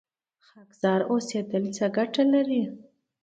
خاکسار اوسیدل څه ګټه لري؟